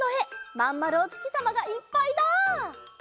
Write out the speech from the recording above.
まんまるおつきさまがいっぱいだ！